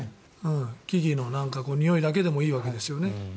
木々のにおいだけでもいいわけですよね。